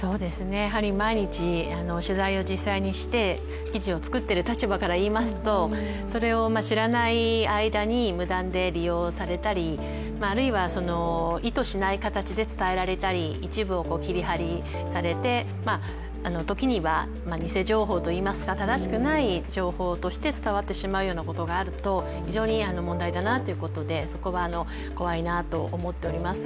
毎日取材を実際にして記事を作っている立場から言いますと、それを知らない間に無断で利用されたりあるいは、意図しない形で伝えられたり、一部を切り貼りされて時には偽情報といいますか正しくない情報として伝わってしまうようなことがあると非常に問題だなということでそこは怖いなと思っております。